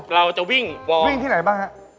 เราจะวิ่งวิ่งที่ไหนบ้างฮะ